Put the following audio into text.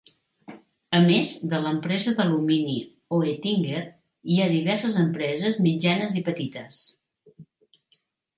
A més de l'empresa d'alumini Oettinger, hi ha diverses empreses mitjanes i petites.